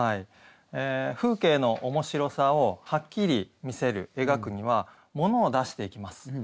風景の面白さをはっきり見せる描くにはモノを出していきます。